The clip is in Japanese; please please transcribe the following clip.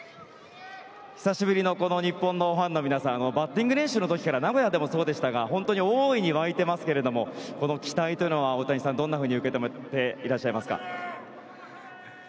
久しぶりの日本のファンの皆さんバッティング練習の時から名古屋でもそうでしたが大いに沸いていましたがこの期待というのは大谷さん、どんなふうに受け止めていますか。